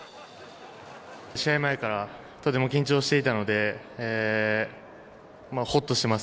試合前からとても緊張していたので、ほっとしてます。